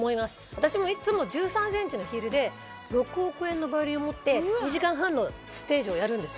私もいつも１３ｃｍのヒールで６億円のバイオリンを持って２時間半のステージをやるんです。